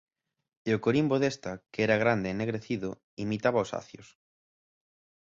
E o corimbo desta, que era grande e ennegrecido, imitaba os acios.